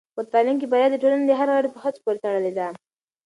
په تعلیم کې بریا د ټولنې د هر غړي په هڅو پورې تړلې ده.